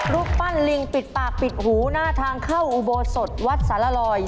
รูปปั้นลิงปิดปากปิดหูหน้าทางเข้าอุโบสถวัดสารลอย